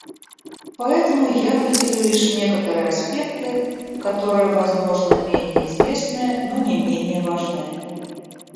Поэтому я выделю лишь некоторые аспекты, которые, возможно, менее известны, но не менее важны.